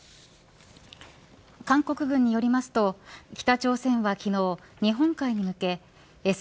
韓国軍によりますと北朝鮮は昨日日本海に向けＳＬＢＭ